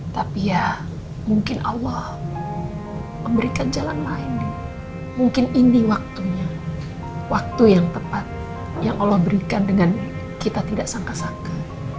tapi ya mungkin allah memberikan jalan lain mungkin ini waktunya waktu yang tepat yang allah berikan dengan kita tidak sangka sangka